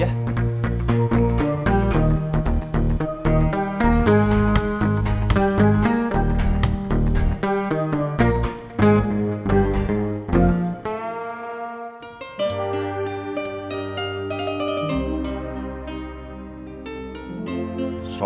udah lah ganti topik aja